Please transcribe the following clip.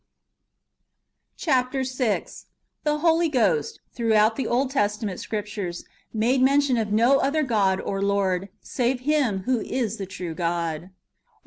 ^ Chap. vi. — The Holy GJiost, througliout the Old Testament Scriptures^ made mention of no other God or Lordy save Him loho is the true God.